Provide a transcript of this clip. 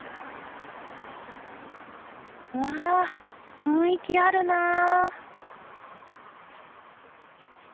わあ雰囲気あるなあ。